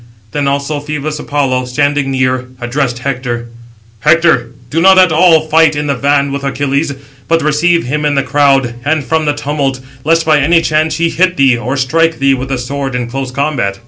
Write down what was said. Then also Phœbus Apollo, standing near, addressed Hector: "Hector, do not at all fight in the van with Achilles, but receive him in the crowd, and from the tumult, lest by any chance he hit thee, or strike thee with the sword in close combat."